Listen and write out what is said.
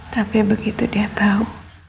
tapi begitu dia tau